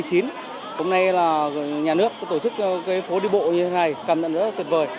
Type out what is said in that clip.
hôm nay là nhà nước tổ chức phố đi bộ như thế này cảm nhận rất là tuyệt vời